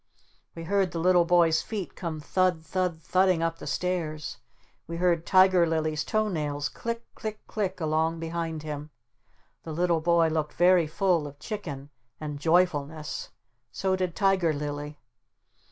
We heard the little boy's feet come thud thud thudding up the stairs. We heard Tiger Lily's toe nails click click click along behind him. The little boy looked very full of chicken and joyfulness. So did Tiger Lily.